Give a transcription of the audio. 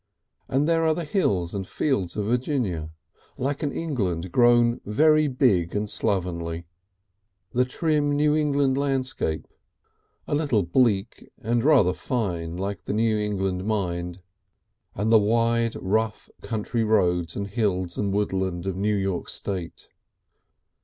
And there are the hills and fields of Virginia, like an England grown very big and slovenly, the woods and big river sweeps of Pennsylvania, the trim New England landscape, a little bleak and rather fine like the New England mind, and the wide rough country roads and hills and woodland of New York State.